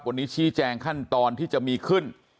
วันนี้ชี้แจงขั้นตอนที่จะมีขึ้น